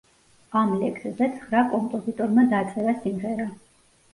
ამ ლექსზე ცხრა კომპოზიტორმა დაწერა სიმღერა.